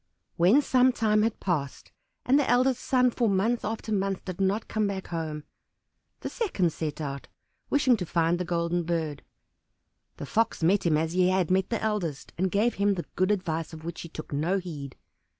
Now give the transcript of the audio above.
When some time had passed, and the eldest son for month after month did not come back home, the second set out, wishing to find the Golden Bird. The Fox met him as he had met the eldest, and gave him the good advice of which he took no heed.